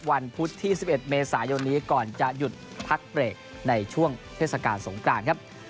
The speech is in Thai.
พุธที่๑๑เมษายนนี้ก่อนจะหยุดพักเบรกในช่วงเทศกาลสงกรานครับ